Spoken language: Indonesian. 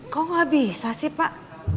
kok nggak bisa sih pak